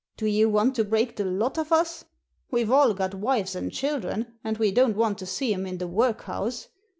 Do you want to break the lot of us? We've all got wives and children, and we don't want to see *em in the workhouse.